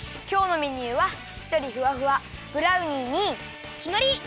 きょうのメニューはしっとりふわふわブラウニーにきまり！